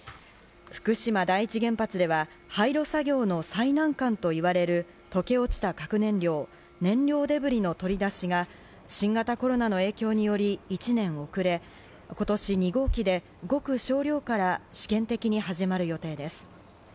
福島第一原発では廃炉作業の最難関といわれる溶け落ちた核燃料、燃料デブリの取り出しが新型コロナの影響により１年遅れ、今年、２号機でごく少量から試験的に始まる予定です。